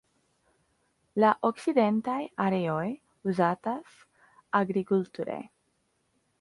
La okcidentaj areoj uzatas agrikulture.